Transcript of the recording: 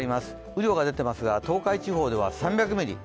雨量が出ていますが東海地方では３００ミリ